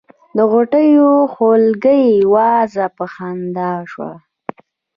د غوټیو خولګۍ وازه په خندا شوه.